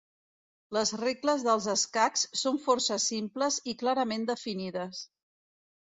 Les regles dels escacs són força simples i clarament definides.